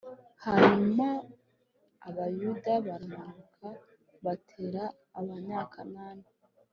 hanyuma abayuda baramanuka batera abanyakanani